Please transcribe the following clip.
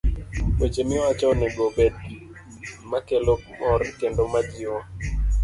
Weche miwacho onego obed makelo mor kendo majiwo